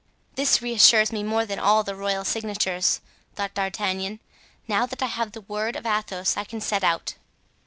"This reassures me more than all the royal signatures," thought D'Artagnan. "Now that I have the word of Athos I can set out."